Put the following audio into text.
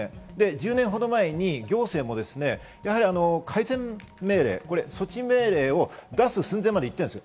１０年前に行政も改善命令、措置命令を出す寸前までいったんです。